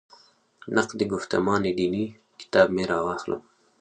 «نقد ګفتمان دیني» کتاب مې راواخلم.